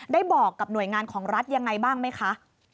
ได้บอกกับหน่วยงานของรัฐยังไงบ้างไหมคะ